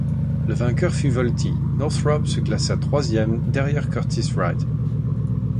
Le vainqueur fut Vultee, Northrop se classa troisième derrière Curtiss-Wright.